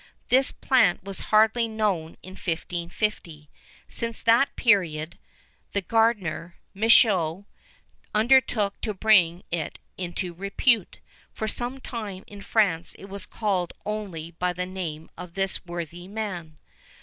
This plant was hardly known in 1550. Since that period, the gardener, Michaux, undertook to bring it into repute. For some time in France it was called only by the name of this worthy man.